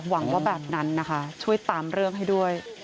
หวังว่าแบบนั้นนะคะช่วยตามเรื่องให้ด้วย